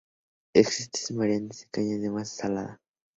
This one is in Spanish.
Existen variantes de cañas de masa salada.